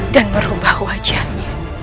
dan merubah wajahnya